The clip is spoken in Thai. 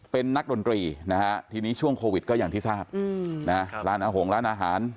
เป็นนักดนตรีนะฮะทีนี้ช่วงโควิดก็อย่างที่ทราบร้านอาหารร้านอาหาร